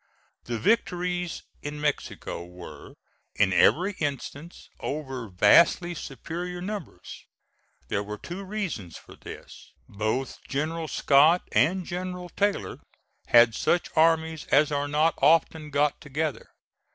The victories in Mexico were, in every instance, over vastly superior numbers. There were two reasons for this. Both General Scott and General Taylor had such armies as are not often got together.